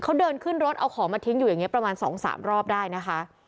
เขาเดินขึ้นรถเอาของมาทิ้งอยู่อย่างนี้ประมาณ๒๓รอบได้นะคะ